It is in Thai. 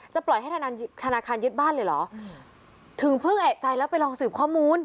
ปล่อยให้ธนาคารยึดบ้านเลยเหรอถึงเพิ่งเอกใจแล้วไปลองสืบข้อมูล